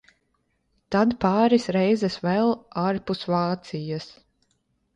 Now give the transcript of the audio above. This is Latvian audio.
Tad pāris reizes vēl ārpus Vācijas.